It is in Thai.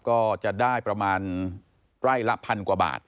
ก็จะได้ประมาณไร่ละพันกว่าบาท